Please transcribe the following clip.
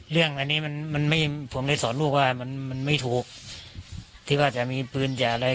เรื่องอันนี้มันไม่ผมเลยสอนลูกว่ามันมันไม่ถูกที่ว่าจะมีปืนอย่าอะไร